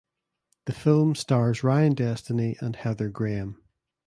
The film stars Ryan Destiny and Heather Graham.